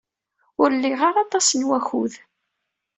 Ur liɣ ara aṭas n wakud.